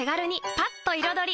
パッと彩り！